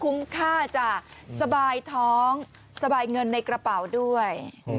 ค่าจ้ะสบายท้องสบายเงินในกระเป๋าด้วย